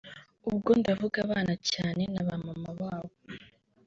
ubwo ndavuga abana cyane na ba mama babo